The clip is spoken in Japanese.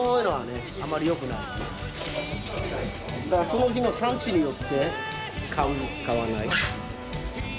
その日の産地によって買う買わない。